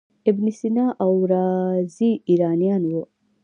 ابن سینا او رازي ایرانیان وو.